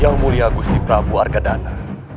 yang mulia gusti prabu argadana